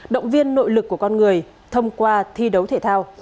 động viên nội lực của con người thông qua thi đấu thể thao